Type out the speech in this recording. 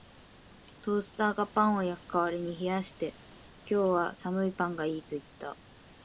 トースターがパンを焼く代わりに冷やして、「今日は寒いパンがいい」と言った